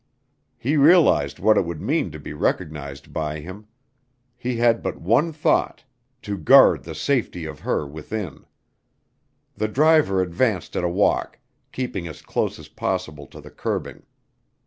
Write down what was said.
He realized what it would mean to be recognized by him. He had but one thought to guard the safety of her within. The driver advanced at a walk, keeping as close as possible to the curbing.